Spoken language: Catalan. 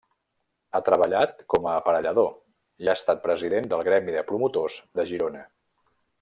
Ha treballat com a aparellador i ha estat president del Gremi de Promotors de Girona.